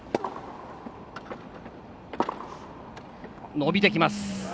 伸びてきます。